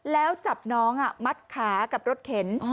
แล้วจับน้องมัดขากับรถเข็น